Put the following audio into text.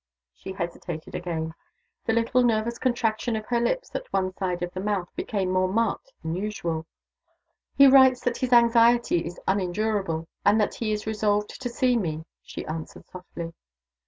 She hesitated again. The little nervous contraction of her lips at one side of the mouth became more marked than usual. "He writes that his anxiety is unendurable, and that he is resolved to see me," she answered softly.